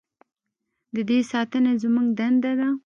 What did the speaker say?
د دې ساتنه زموږ دنده ده